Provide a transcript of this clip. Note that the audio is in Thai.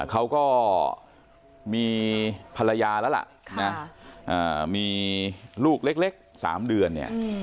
เขาก็มีภรรยาแล้วล่ะมีลูกเล็ก๓เดือนเนี่ย